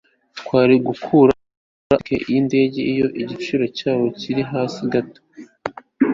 twari kugura amatike yindege iyo igiciro cyaba kiri hasi gato